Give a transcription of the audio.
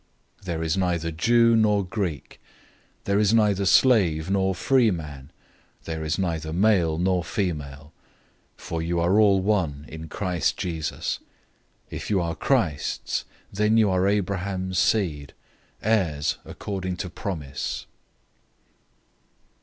003:028 There is neither Jew nor Greek, there is neither slave nor free man, there is neither male nor female; for you are all one in Christ Jesus. 003:029 If you are Christ's, then you are Abraham's seed and heirs according to promise.